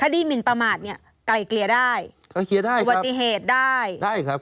ได้ครับ